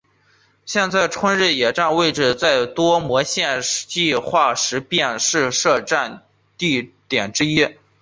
现在春日野站的位置在多摩线计画时便是设站地点之一。